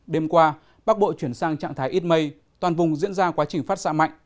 đêm qua bắc bộ chuyển sang trạng thái ít mây toàn vùng diễn ra quá trình phát xạ mạnh